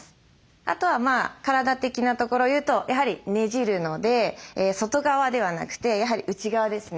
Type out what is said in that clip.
あとは体的なところを言うとやはりねじるので外側ではなくてやはり内側ですね